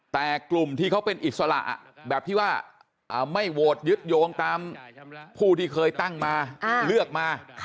แต่กลุ่มที่เขาเป็นอิสระแบบที่ว่าไม่โหวตยึดโยงตามผู้ที่เคยตั้งมาเลือกมา